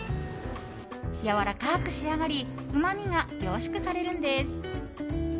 やわらかく仕上がりうまみが凝縮されるのです。